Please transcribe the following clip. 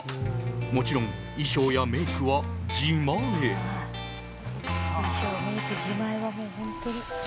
もちろん衣装やメイクは自前。